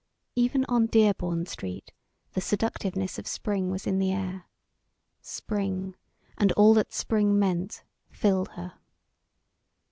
Even on Dearborn Street the seductiveness of spring was in the air. Spring, and all that spring meant, filled her.